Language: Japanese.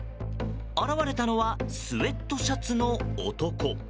現れたのはスウェットシャツの男。